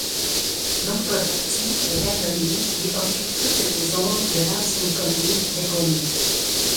L'autre partie est vallonnée et occupe toutes les zones de l'ancienne commune d'Aigonnay.